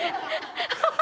ハハハ！